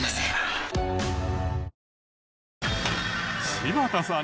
柴田さん